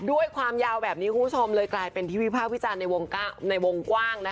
ด้วยความยาวแบบนี้คุณผู้ชมเลยกลายเป็นที่วิพากษ์วิจารณ์ในวงกว้างนะคะ